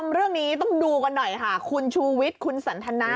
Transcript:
เรื่องนี้ต้องดูกันหน่อยค่ะคุณชูวิทย์คุณสันทนะ